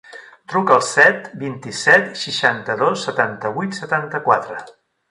Truca al set, vint-i-set, seixanta-dos, setanta-vuit, setanta-quatre.